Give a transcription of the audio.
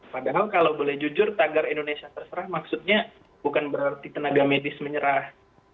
padahal kalau boleh jujur tagar indonesia terserah maksudnya bukan berarti tenaga medis menyerah